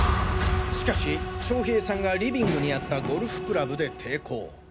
しかし将平さんがリビングにあったゴルフクラブで抵抗。